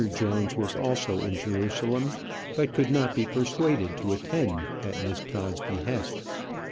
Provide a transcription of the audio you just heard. Jones was also in Jerusalem, but could not be persuaded to attend at Miss Todd's behest.